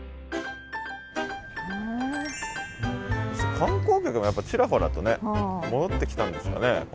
観光客もやっぱちらほらとね戻ってきたんですかね。